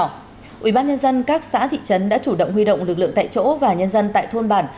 ubnd các xã thị trấn đã chủ động huy động lực lượng tại chỗ và nhân dân tại thôn bản